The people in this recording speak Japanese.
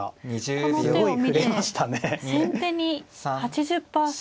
この手を見て先手に８０％と。